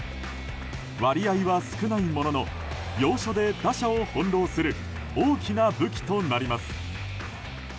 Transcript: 割合は少ないものの要所で打者を翻弄する大きな武器となります。